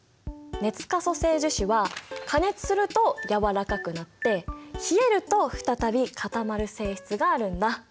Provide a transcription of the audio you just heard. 熱可塑性樹脂は加熱するとやわらかくなって冷えると再び固まる性質があるんだ。